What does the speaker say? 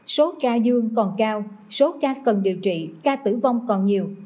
số ca dương còn cao số ca cần điều trị ca tử vong còn nhiều